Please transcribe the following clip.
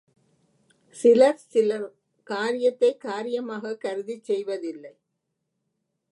சிலர் சில காரியத்தை காரியமாகக் கருதிச் செய்வதில்லை.